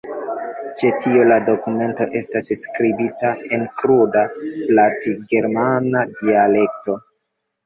Ĉe tio la dokumento estas skribita en kruda platgermana dialekto.